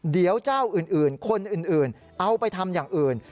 เดี๋ยวเจ้าอื่นคนอื่นเอาไปทำอย่างอื่น